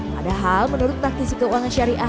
padahal menurut praktisi keuangan syariah